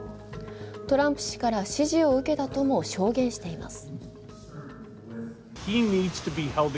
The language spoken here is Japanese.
トランプ氏から指示を受けたとも証言しています。